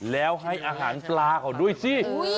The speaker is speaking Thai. แล้วให้อาหารปลาเขาด้วยสิ